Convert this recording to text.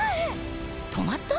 止まった？